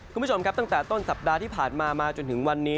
คุณผู้ชมครับตั้งแต่ต้นสัปดาห์ที่ผ่านมามาจนถึงวันนี้